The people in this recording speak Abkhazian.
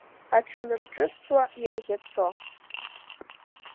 Аҽанарҿыцуа, ианӷьацо.